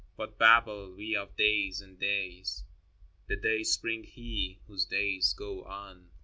What babble we of days and days ? The Day spring He, whose days go on.